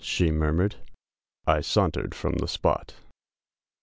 she murmured, I sauntered from the spot!!